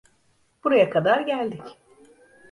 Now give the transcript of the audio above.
Buraya kadar geldik.